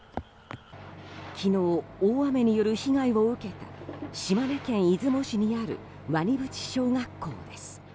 昨日、大雨による被害を受けた島根県出雲市にある鰐淵小学校です。